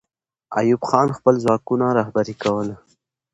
ایوب خان خپل ځواکونه رهبري کوله.